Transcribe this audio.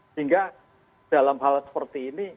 sehingga dalam hal seperti ini